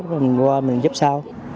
mình qua mình giúp sau